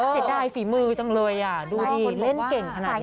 เสียดายฝีมือจังเลยดูดิเล่นเก่งขนาดนี้